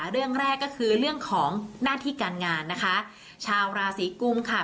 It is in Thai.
เรื่องแรกก็คือเรื่องของหน้าที่การงานนะคะชาวราศีกุมค่ะ